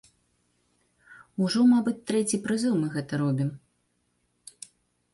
Ужо мабыць трэці прызыў мы гэта робім.